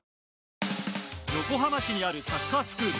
横浜市にあるサッカースクール。